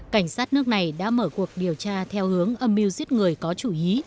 cảnh sát nước này đã mở cuộc điều tra theo hướng âm mưu giết người có chủ ý